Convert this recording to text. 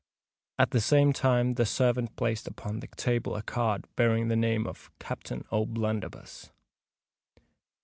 At the same time the servant placed upon the table a card, bearing the name of CAPTAIN O'BLUNDERBUSS.